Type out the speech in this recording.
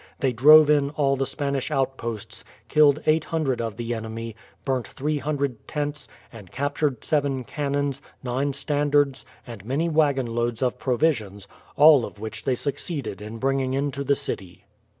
They drove in all the Spanish outposts, killed eight hundred of the enemy, burnt three hundred tents, and captured seven cannons, nine standards, and many wagon loads of provisions, all of which they succeeded in bringing into the city.